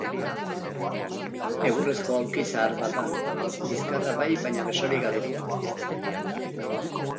Egurrezko aulki zahar bat da, bizkarra bai baina besorik gabekoa.